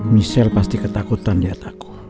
michelle pasti ketakutan dia takut